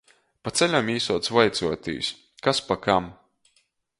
Pa ceļam jī suoc vaicuotīs, kas pa kam.